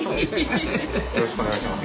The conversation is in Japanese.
よろしくお願いします。